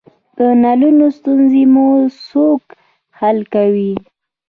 د نلونو ستونزې مو څوک حل کوی؟